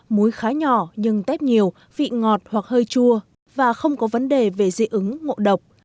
muối khá nhỏ nhưng tép nhiều vị ngọt hoặc hơi chua và không có vấn đề về dị ứng ngộ độc